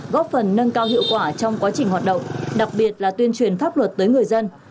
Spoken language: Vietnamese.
góp phần nâng cao hiệu quả trong quá trình hoạt động đặc biệt là tuyên truyền pháp luật tới người dân